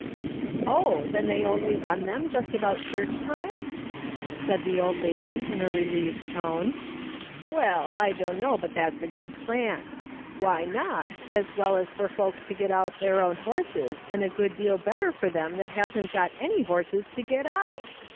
" Oh, then they only run them just about church time ?" said the old lady, in a relieved tone. " Well, I dunno but that's a good plan. Why not, as well as for folks to get out their own horses, and a good deal Ijctter for them tliat hasn't got any horses to get out